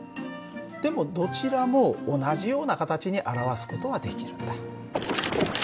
でもどちらも同じような形に表す事はできるんだ。